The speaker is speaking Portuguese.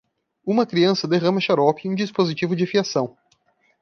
Uma criança derrama xarope em um dispositivo de fiação